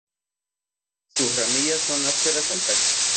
Sus ramillas son ásperas al tacto.